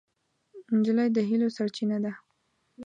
نجلۍ د هیلو سرچینه ده.